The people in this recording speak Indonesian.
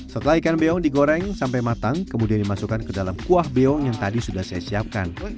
setelah ikan beong digoreng sampai matang kemudian dimasukkan ke dalam kuah beong yang tadi sudah saya siapkan